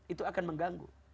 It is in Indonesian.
itu akan mengganggu